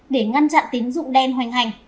để ngăn chặn tín dụng đen hoành hành